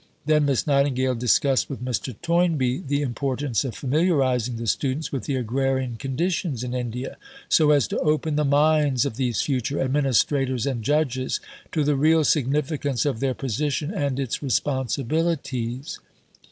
Then Miss Nightingale discussed with Mr. Toynbee the importance of familiarizing the students with the agrarian conditions in India, "so as to open the minds of these future administrators and judges to the real significance of their position and its responsibilities."